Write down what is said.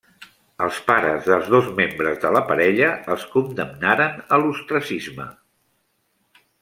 Els pares dels dos membres de la parella els condemnaren a l'ostracisme.